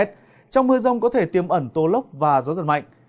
trong mưa rông có thể tiêm ẩn tô lốc và gió giật mạnh